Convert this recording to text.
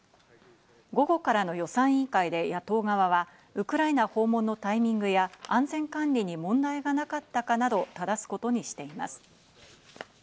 午後からの予算委員会で、野党側はウクライナ訪問のタイミングや安全管理に問題がなかったかなど質すことにしています。